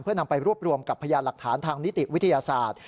เพื่อนำไปรวบรวมกับพยานหลักฐานทางนิติวิทยาศาสตร์